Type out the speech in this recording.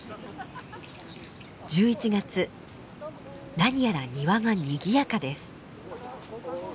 何やら庭がにぎやかです。